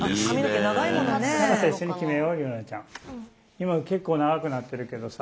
今結構長くなってるけどさ。